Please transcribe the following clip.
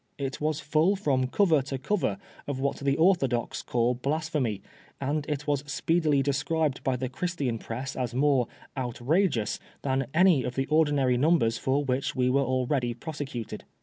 It was full from cover to cover of what the orthodox call blasphemy, and it was speedily described by the Chrisiian press as more " outrageous " than any of the ordinary numbers for which we were already prosecuted.